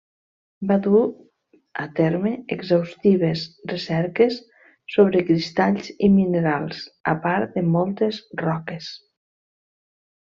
Va dur a terme exhaustives recerques sobre cristalls i minerals, a part de moltes roques.